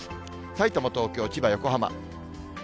さいたま、東京、千葉、横浜。